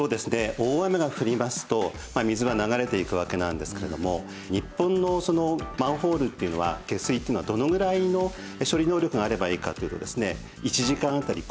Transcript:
大雨が降りますと水は流れていくわけなんですけれども日本のマンホール下水っていうのはどのぐらいの処理能力があればいいかというとですね。